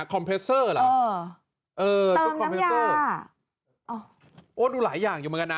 คอมเพสเซอร์เหรอเออเติมน้ำยาอ่าโอ๊ยดูหลายอย่างอยู่เหมือนกันนะ